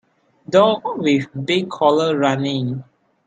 Dog with big collar running.